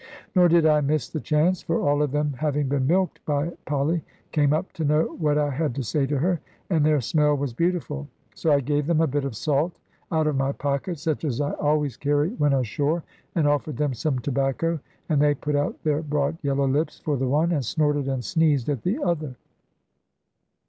Nor did I miss the chance; for all of them having been milked by Polly, came up to know what I had to say to her, and their smell was beautiful. So I gave them a bit of salt out of my pocket, such as I always carry when ashore, and offered them some tobacco; and they put out their broad yellow lips for the one, and snorted and sneezed at the other.